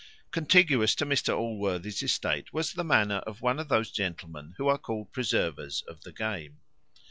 Contiguous to Mr Allworthy's estate was the manor of one of those gentlemen who are called preservers of the game.